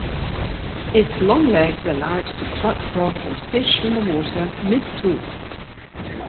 Its long legs allow it to pluck frogs and fish from the water mid-swoop.